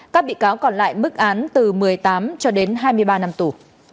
các bị cáo còn lại mức án từ một mươi tám cho đến hai mươi ba năm tù